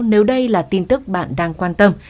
nếu đây là tin tức bạn đang quan tâm